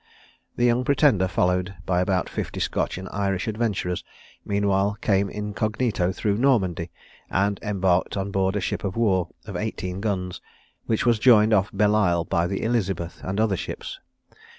The young Pretender, followed by about fifty Scotch and Irish adventurers, meanwhile, came incog. through Normandy, and embarked on board a ship of war of eighteen guns, which was joined off Belleisle by the Elizabeth, and other ships.